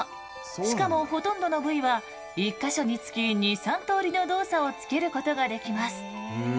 しかもほとんどの部位は１か所につき２３通りの動作をつけることができます。